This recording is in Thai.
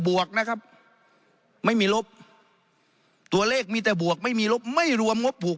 วกนะครับไม่มีลบตัวเลขมีแต่บวกไม่มีลบไม่รวมงบผูก